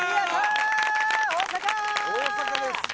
大阪です！